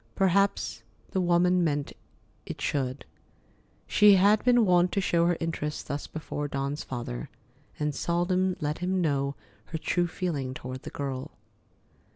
Perhaps the woman meant it should. She had been wont to show her interest thus before Dawn's father, and seldom let him know her true feeling toward the girl.